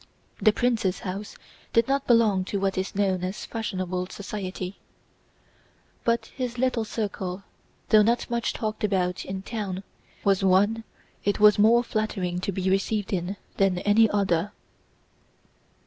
The prince's house did not belong to what is known as fashionable society, but his little circle—though not much talked about in town—was one it was more flattering to be received in than any other.